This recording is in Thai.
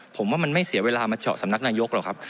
ผมว่ามันไม่เสียเวลามาเจาะสำนักนายกหรอกครับ